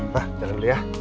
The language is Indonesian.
jalan dulu ya